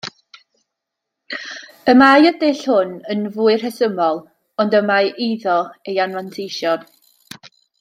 Y mae y dull hwn yn fwy rhesymol, ond y mae iddo ei anfanteision.